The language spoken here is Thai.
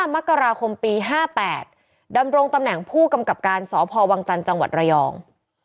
มกราคมปี๕๘ดำรงตำแหน่งผู้กำกับการสพวังจันทร์จังหวัดระยอง